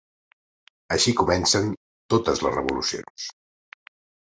Així comencen totes les revolucions.